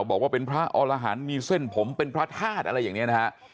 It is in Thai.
บอกว่าเป็นพระอรหันต์มีเส้นผมเป็นพระธาตุอะไรอย่างนี้นะฮะ